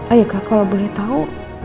oh ya kak kalau boleh tahu